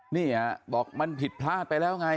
เนี่ยบอกมันผิดพลาดไปแล้วไง